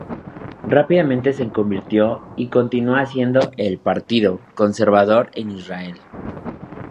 Rápidamente se convirtió y continúa siendo "el partido" conservador en Israel.